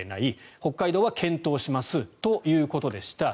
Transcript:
北海道は検討しますということでした。